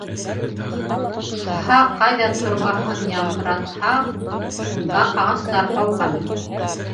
Тһа ҡайҙа «торба»һын яңғыратһа, шунда ағастар ауған.